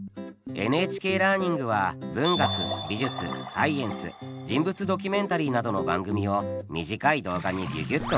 「ＮＨＫラーニング」は文学美術サイエンス人物ドキュメンタリーなどの番組を短い動画にギュギュッと凝縮。